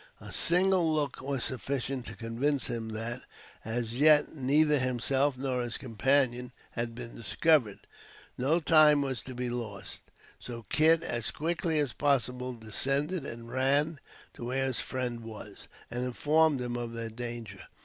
A single look was sufficient to convince him that, as yet, neither himself nor his companion had been discovered. No time was to be lost, so Kit, as quickly as possible, descended and ran to where his friend was, and informed him of their danger.